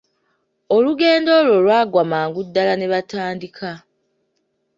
Olugendo olwo lwaggwa mangu ddala ne batandika.